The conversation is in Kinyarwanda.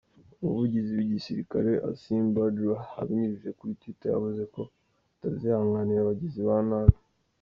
Umuvugizi w’igisirikare, Asim Bajwa abinyujije kuri twitter yavuze ko batazihanganira abagizi ba nabi.